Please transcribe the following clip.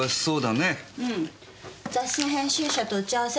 うん雑誌の編集者と打ち合わせ。